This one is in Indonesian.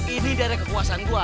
ini dari kekuasaan gue